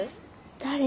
誰？